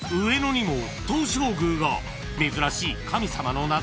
［珍しい神様の謎］